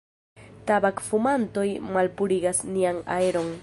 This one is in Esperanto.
Tabak-fumantoj malpurigas nian aeron.